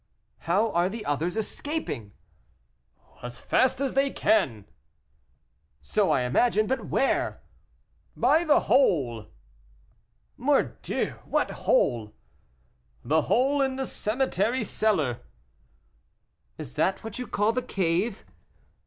"How are the others escaping?" "As fast as they can." "So I imagine; but where?" "By the hole." "Mordieu! what hole?" "The hole in the cemetery cellar." "Is that what you call the cave?"